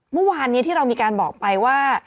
เมื่อวานนี้ที่เรามีการบอกไปว่า